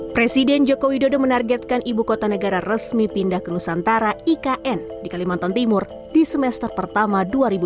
presiden joko widodo menargetkan ibu kota negara resmi pindah ke nusantara ikn di kalimantan timur di semester pertama dua ribu dua puluh